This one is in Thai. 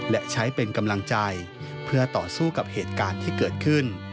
และใช้เป็นกำลังใจเพื่อต่อสู้กับเหตุการณ์ที่เกิดขึ้น